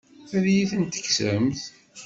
Ad iyi-tent-tekksemt?